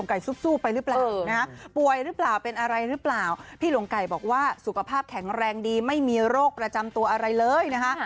อะไรหรือเปล่าพี่หลวงไก่บอกว่าสุขภาพแข็งแรงดีไม่มีโรคประจำตัวอะไรเลยนะคะ